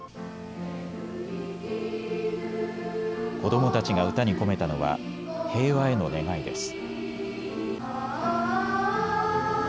子どもたちが歌に込めたのは平和への願いです。